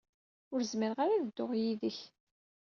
Ur zmireɣ ara ad dduɣ yid-k.